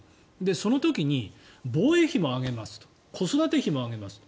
その時に防衛費も上げますと子育て費も上げますと。